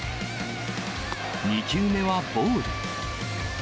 ２球目はボール。